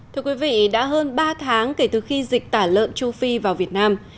thưa quý vị đã hơn ba tháng kể từ khi dịch tả lợn châu phi vào việt nam